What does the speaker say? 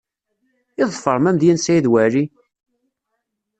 I tḍefrem amedya n Saɛid Waɛli?